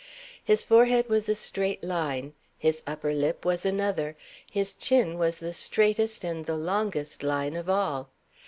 His forehead was a straight line, his upper lip was another, his chin was the straightest and the longest line of all.